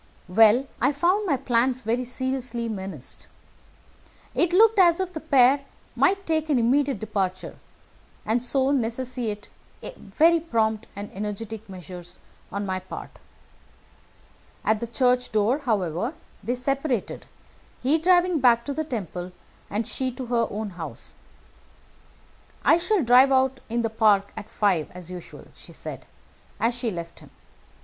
"Well, I found my plans very seriously menaced. It looked as if the pair might take an immediate departure, and so necessitate very prompt and energetic measures on my part. At the church door, however, they separated, he driving back to the Temple, and she to her own house. 'I shall drive out in the park at five as usual,' she said, as she left him.